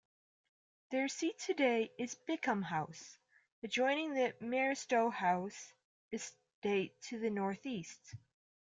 Their seat today is Bickham House, adjoining the Maristow House estate to the north-east.